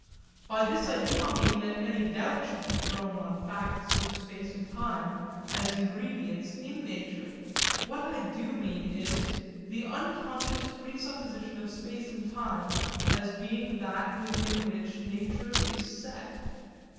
By this I do not mean that any doubt should be thrown on facts of space and time as ingredients in nature. What I do mean is 'the unconscious presupposition of space and time as being that within which nature is set.'